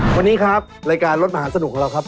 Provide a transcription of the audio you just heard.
วันนี้ครับรายการรถมหาสนุกของเราครับ